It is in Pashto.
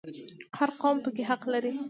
هر قوم پکې حق لري